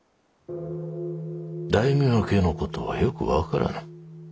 大名家の事はよく分からぬ。